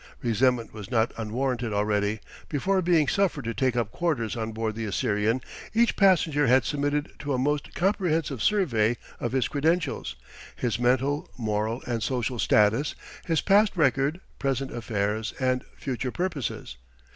Resentment was not unwarranted: already, before being suffered to take up quarters on board the Assyrian, each passenger had submitted to a most comprehensive survey of his credentials, his mental, moral, and social status, his past record, present affairs, and future purposes.